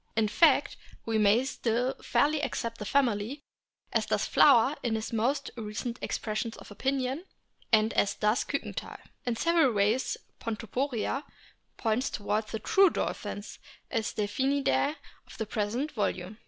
TOOTHED WHALES 181 In fact, we may still fairly accept the family, as does Flower in his most recent expression of opinion,* and as does Kiikenthal.t In several ways Pontoporia points towards the true dolphins, the Delphinidae of the present volume.